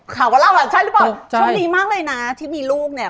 ข่าวว่าเราใช่หรือเปล่าช่วงนี้มากเลยนะที่มีลูกเนี่ย